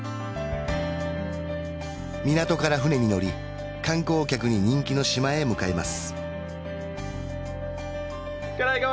港から船に乗り観光客に人気の島へ向かいます